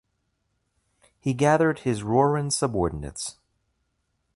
He gathered his Rouran subordinates.